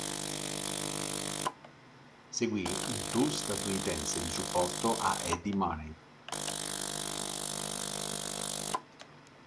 Seguì un tour statunitense di supporto a Eddie Money.